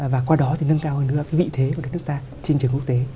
và qua đó thì nâng cao hơn nữa cái vị thế của đất nước ta trên trường quốc tế